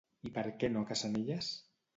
I per què no a Cassanelles?